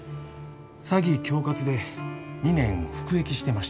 詐欺恐喝で２年服役してました。